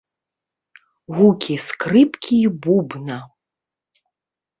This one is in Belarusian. Гукі скрыпкі і бубна.